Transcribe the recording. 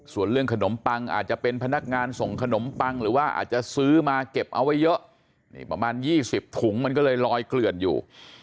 ส่วนเรื่องขนมปังอาจจะเป็นพนักงานส่งขนมปังหรือว่าอาจจะซื้อมาเก็บเอาไว้เยอะนี่ประมาณ๒๐ถุงมันก็เลยลอยเกลื่อนอยู่